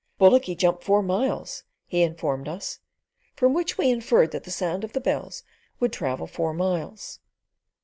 "Bullocky jump four miles," he informed us; from which we inferred that the sound of the bells would travel four miles.